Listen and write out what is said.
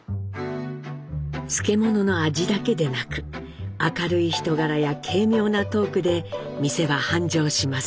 漬物の味だけでなく明るい人柄や軽妙なトークで店は繁盛します。